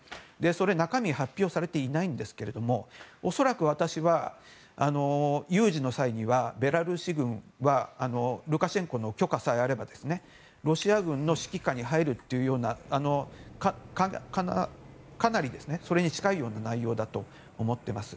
それ、中身が発表されていないんですけれども恐らく私は有事の際にはベラルーシ軍はルカシェンコの許可さえあればロシア軍の指揮下に入るというような、かなりそれに近いような内容だと思っています。